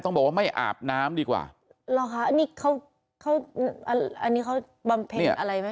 ต้องบอกว่าไม่อาบน้ำดีกว่ารอค่ะอันนี้เขาบำเพ็งอะไรไหม